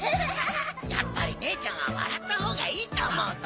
やっぱりねえちゃんは笑ったほうがいいと思うぞ。